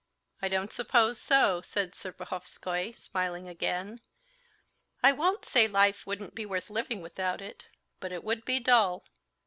"I don't suppose so," said Serpuhovskoy, smiling again. "I won't say life wouldn't be worth living without it, but it would be dull.